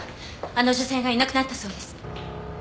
あの女性がいなくなったそうです。え？